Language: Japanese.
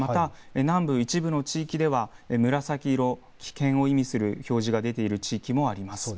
南部一部の地域では紫色危険を意味する表示が出ている地域もあります。